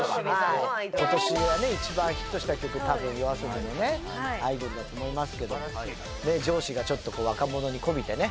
今年一番ヒットした曲多分ＹＯＡＳＯＢＩのね『アイドル』だと思いますけども上司がちょっと若者にこびてね